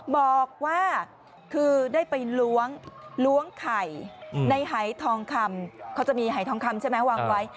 บอกว่าคือได้ไปล้วงล้วงไข่ในหายทองคำเขาจะมีหายทองคำใช่ไหมวางไว้